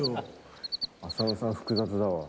浅野さん複雑だわ。